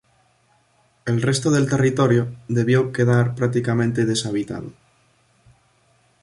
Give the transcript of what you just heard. El resto del territorio debió quedar prácticamente deshabitado.